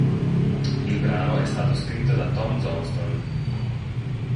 Il brano è stato scritto da Tom Johnston.